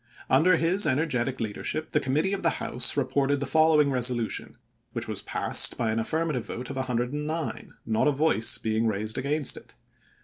Under his ener getic leadership the Committee of the House reported the following resolution, which was passed by an affirmative vote of 109, not a voice being raised against it.